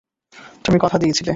তুমি কথা দিয়েছিলে!